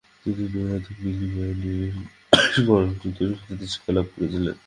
তিনি নৈহাটিতে নীলমণি ন্যায়পঞ্চাননের চতুষ্পাঠীতে শিক্ষালাভ করেছিলেন ।